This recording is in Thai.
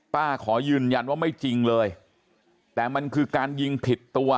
ขอยืนยันว่าไม่จริงเลยแต่มันคือการยิงผิดตัว